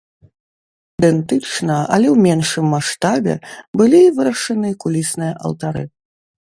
Ідэнтычна, але ў меншым маштабе, былі вырашаны кулісныя алтары.